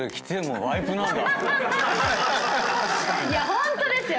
ホントですよ！